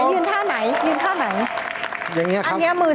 ยืนท่าไหนยืนท่าไหนอันนี้มือซ้ายอย่างนี้ครับเอาเติ้ลเอาเติ้ล